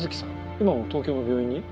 今も東京の病院に？